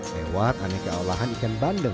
lewat aneka olahan ikan bandeng